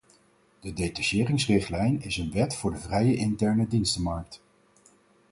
De detacheringsrichtlijn is een wet voor de vrije interne dienstenmarkt.